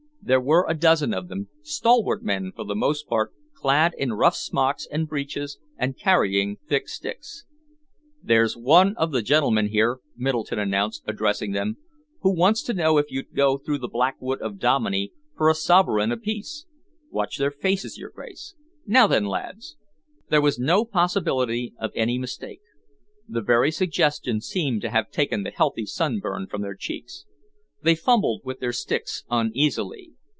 There were a dozen of them, stalwart men for the most part, clad in rough smocks and breeches and carrying thick sticks. "There's one of the gentlemen here," Middleton announced, addressing them, "who wants to know if you'd go through the Black Wood of Dominey for a sovereign apiece? Watch their faces, your Grace. Now then, lads?" There was no possibility of any mistake. The very suggestion seemed to have taken the healthy sunburn from their cheeks. They fumbled with their sticks uneasily.